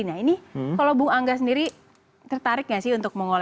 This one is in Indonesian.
nah ini kalau bu angga sendiri tertarik gak sih untuk mengolah